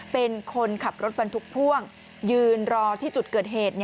เป็นคนขับรถบรรทุกพ่วงยืนรอที่จุดเกิดเหตุ